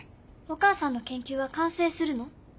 お母さんの研究は完成するの？